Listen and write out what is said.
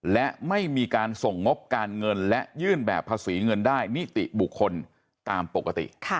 และไม่มีการส่งงบการเงินและยื่นแบบภาษีเงินได้นิติบุคคลตามปกติ